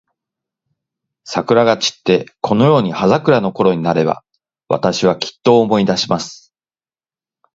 桜が散って、このように葉桜のころになれば、私は、きっと思い出します。